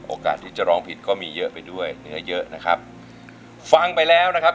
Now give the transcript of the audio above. โอกาสที่จะร้องผิดก็มีเยอะไปด้วยเนื้อเยอะนะครับฟังไปแล้วนะครับ